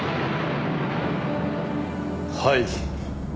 はい。